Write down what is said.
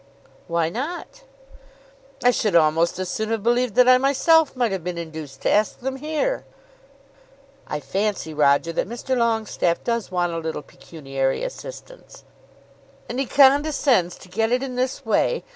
"Why not?" "I should almost as soon have believed that I myself might have been induced to ask them here." "I fancy, Roger, that Mr. Longestaffe does want a little pecuniary assistance." "And he condescends to get it in this way!